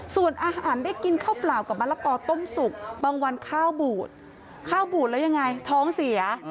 ส่วนอาหารได้กินข้าวเปล่ากับมะละกอต้มสุกบางวันข้าวบูดข้าวบูดแล้วยังไงท้องเสีย